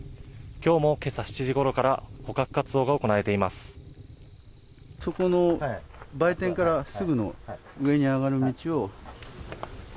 今日も今朝７時頃から捕獲活動が行われています。